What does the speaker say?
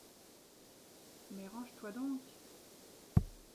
Mais range-toi donc !